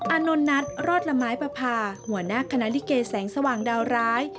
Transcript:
อานนทนัทรอดละไม้ประพาหัวหน้าคณะลิเกแสงสว่างดาวร้าย